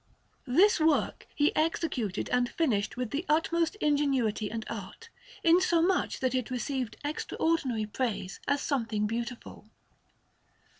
This work he executed and finished with the utmost ingenuity and art, insomuch that it received extraordinary praise as something beautiful.